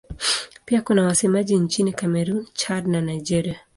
Pia kuna wasemaji nchini Kamerun, Chad na Nigeria.